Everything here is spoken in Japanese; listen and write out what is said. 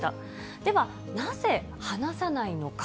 では、なぜ話さないのか。